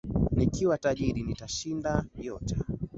Nikiwa tajiri nitashinda yote.